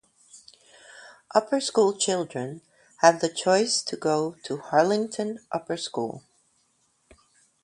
Upper school children have the choice to go to Harlington Upper School.